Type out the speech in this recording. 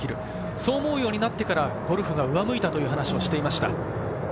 そう思うようになってからゴルフが上向いたと話していました。